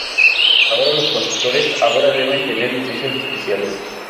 Ahora los conductores ahora deben tener licencias especiales.